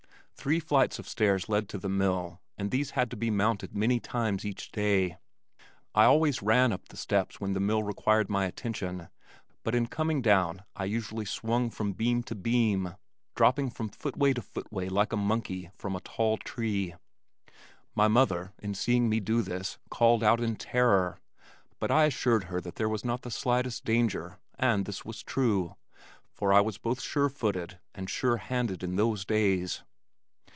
Three flights of stairs led to the mill and these had to be mounted many times each day. I always ran up the steps when the mill required my attention, but in coming down I usually swung from beam to beam, dropping from footway to footway like a monkey from a tall tree. My mother in seeing me do this called out in terror, but I assured her that there was not the slightest danger and this was true, for I was both sure footed and sure handed in those days.